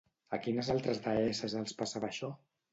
A quines altres deesses els passava això?